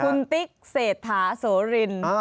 คุณติ๊กเศรษฐาโสริน